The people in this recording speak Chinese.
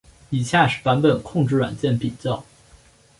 以下是版本控制软件比较。